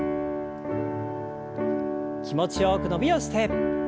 気持ちよく伸びをして。